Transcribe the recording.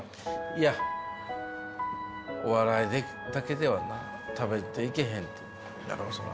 いやお笑いだけでは食べていけへんやろそら。